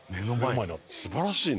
素晴らしいね！